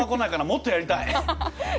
もっとやりたい！